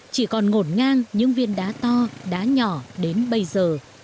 chỉ còn ngổn ngang những viên đá to đá nhỏ đến bây giờ